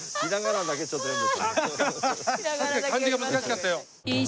確かに漢字が難しかったよ。